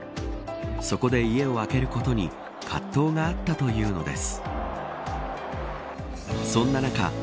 そこで家を空けることに葛藤があったというのです。